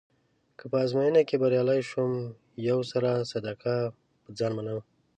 که په ازموینه کې بریالی شوم یو سر صدقه يه ځان منم.